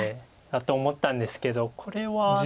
だと思ったんですけどこれは。